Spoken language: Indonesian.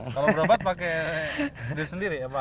kalau berobat pakai diri sendiri